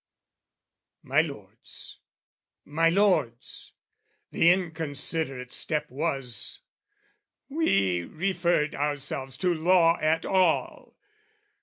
My lords, my lords, the inconsiderate step Was we referred ourselves to law at all!